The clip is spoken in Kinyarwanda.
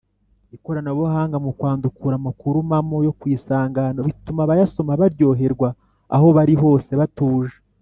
ikoranabuhanga mu kwandukura amakuru mamo yo kwisangano bituma abayasoma baryoherwa aho bari hose batuje